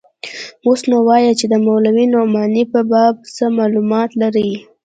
اوس نو وايه چې د مولوي نعماني په باب څه مالومات لرې.